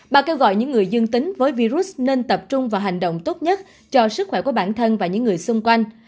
bà kêu gọi những người dương tính với virus nên tập trung vào hành động tốt nhất cho sức khỏe của bản thân và những người xung quanh